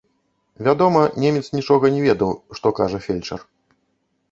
Вядома, немец нічога не ведаў, што кажа фельчар.